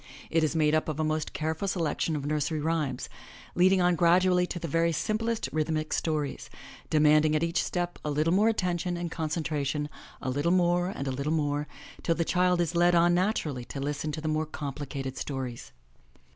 It is made up of a most careful selection of nursery rhymes, leading on gradually to the very simplest rhythmic stories, demanding at each step a little more attention and concentra tion, a little more and a little more, till the child is led on natural ly to listen to the more complicated stories.